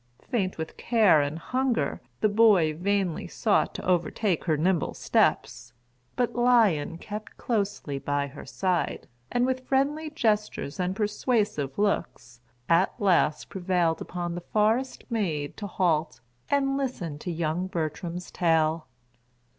Faint with care and hunger, the boy vainly sought to overtake her nimble steps; but Lion kept closely by her side, and with friendly gestures and persuasive looks, at last prevailed upon the forest maid to halt, and listen to young Bertram's tale.